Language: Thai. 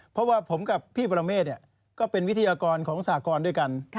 เพราะว่าผมกับพี่ปรเมฆก็เป็นวิทยากรของสากรด้วยกัน